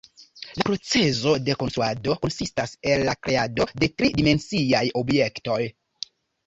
La procezo de konstruado konsistas el la kreado de tri-dimensiaj objektoj.